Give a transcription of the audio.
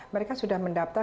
mereka sudah mendaftar